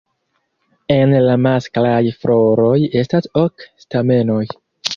En la masklaj floroj estas ok stamenoj.